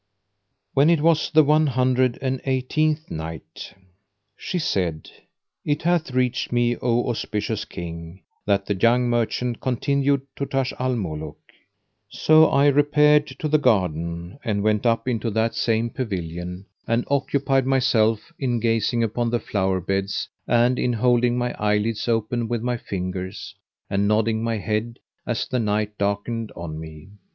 When it was the One Hundred and Eighteenth Night, She said, It hath reached me, O auspicious King, that the young merchant continued to Taj al Muluk: "So I repaired to the garden and went up into that same pavilion and occupied myself in gazing upon the flower beds and in holding my eyelids open with my fingers and nodding my head as the night darkened on me.